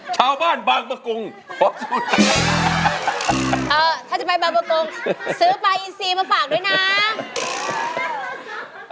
ชาวบ้านบางปะกรุงขอสู้ไหนฮะเออถ้าจะไปบางปะกรุงซื้อปลาอีซีมาฝากด้วยนะ